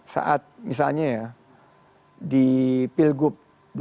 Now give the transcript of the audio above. saat misalnya ya di pilgub dua ribu delapan belas